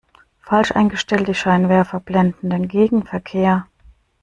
Falsch eingestellte Scheinwerfer blenden den Gegenverkehr.